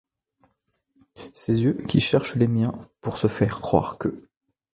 Ses yeux qui cherchent les miens pour se faire croire que.